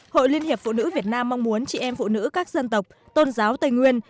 hội liên hiệp phụ nữ việt nam mong muốn chị em phụ nữ các dân tộc tôn giáo tây nguyên